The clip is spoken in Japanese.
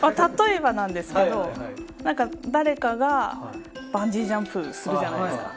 例えばなんですけど誰かがバンジージャンプするじゃないですか。